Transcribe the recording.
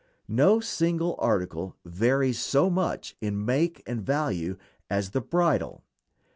No single article varies so much in make and value as the bridle.